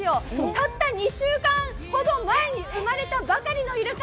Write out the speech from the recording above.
たった２週間ほど前に生まれたばかりのイルカ。